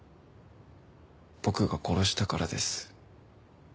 僕が殺したからです。